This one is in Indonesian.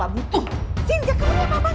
kamu nggak perlu menanda tangan surat kenyataan ini